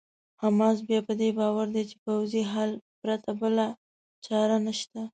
حماس بیا په دې باور دی چې پوځي حل پرته بله چاره نشته.